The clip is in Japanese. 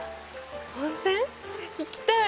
行きたい！